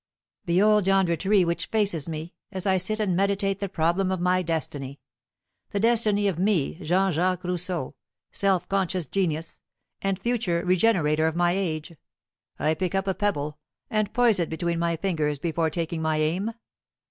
"Behold yonder tree which faces me, as I sit and meditate the problem of my destiny the destiny of me, Jean Jacques Rousseau, self conscious genius, and future regenerator of my age. I pick up a pebble, and poise it between my fingers before taking my aim.